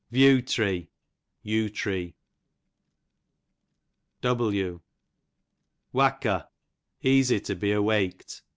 View tree, yew tree. W Wakkeb, easy to be awaked.